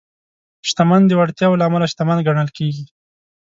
شتمن د وړتیاوو له امله شتمن ګڼل کېږي.